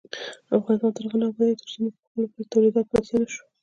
افغانستان تر هغو نه ابادیږي، ترڅو موږ پخپلو تولیداتو بسیا نشو.